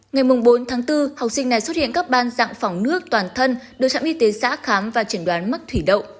ngày bốn tháng bốn học sinh này xuất hiện các ban dạng phòng nước toàn thân đồ chạm y tế xã khám và triển đoán mất thủy đậu